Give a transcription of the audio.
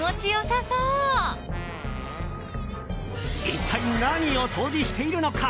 一体、何を掃除しているのか。